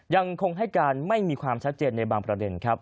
ยังคงให้การไม่มีความชัดเจนในบางประเด็นครับ